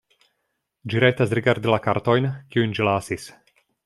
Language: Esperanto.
Ĝi rajtas rigardi la kartojn, kiujn ĝi lasis.